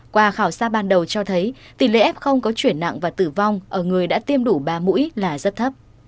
qua khảo sát ban đầu cho thấy tỷ lệ f có chuyển nặng và tử vong ở người đã tiêm đủ ba mũi là rất thấp